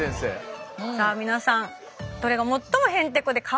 さあ皆さんどれが最もへんてこでカワイイか？